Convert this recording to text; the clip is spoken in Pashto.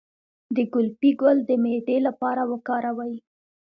د ګلپي ګل د معدې لپاره وکاروئ